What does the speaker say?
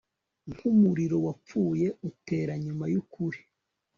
Nkumuriro wapfuye utera nyuma yukuri